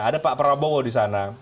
ada pak prabowo di sana